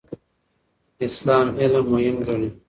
اسلام علم مهم ګڼي.